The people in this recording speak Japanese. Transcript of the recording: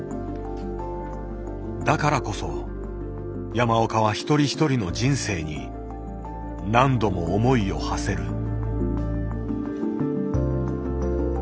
だからこそ山岡は一人一人の人生に何度も思いをはせる。